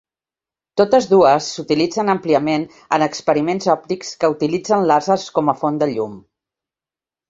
Totes dues s'utilitzen àmpliament en experiments òptics que utilitzen làsers com a font de llum.